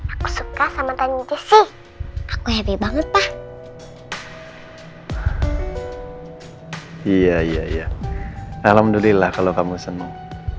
aku suka sama tani jessy aku happy banget pak iya iya iya alhamdulillah kalau kamu senang